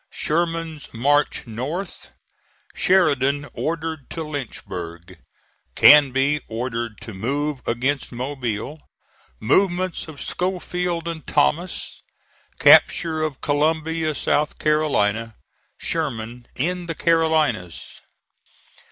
SHERMAN'S MARCH NORTH SHERIDAN ORDERED TO LYNCHBURG CANBY ORDERED TO MOVE AGAINST MOBILE MOVEMENTS OF SCHOFIELD AND THOMAS CAPTURE OF COLUMBIA, SOUTH CAROLINA SHERMAN IN THE CAROLINAS.